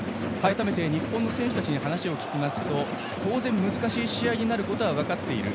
改めて日本の選手たちに話を聞きますと当然、難しい試合になることは分かっている。